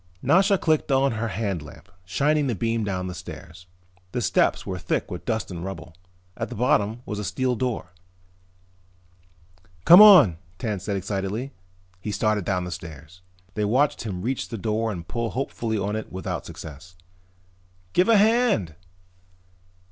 Nasha clicked on her hand lamp, shining the beam down the stairs. The steps were thick with dust and rubble. At the bottom was a steel door. "Come on," Tance said excitedly. He started down the stairs. They watched him reach the door and pull hopefully on it without success. "Give a hand!"